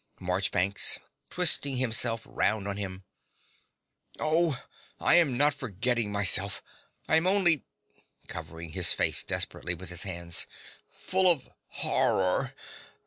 MARCHBANKS (twisting himself round on him). Oh, I am not forgetting myself: I am only (covering his face desperately with his hands) full of horror.